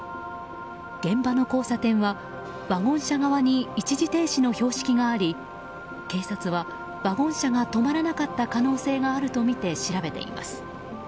現場の交差点はワゴン車側に一時停止の標識があり警察はワゴン車が止まらなかった可能性があるとみて調べています。